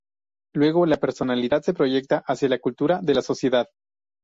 Luego, la personalidad se proyecta hacia la cultura de la sociedad.